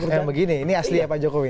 yang begini ini aslinya pak jokowi